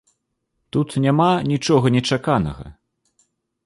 Тут няма нічога нечаканага.